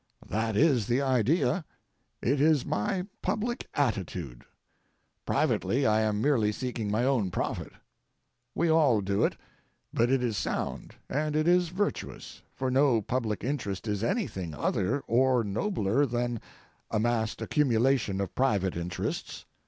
That is the idea. It is my public attitude; privately I am merely seeking my own profit. We all do it, but it is sound and it is virtuous, for no public interest is anything other or nobler than a massed accumulation of private interests.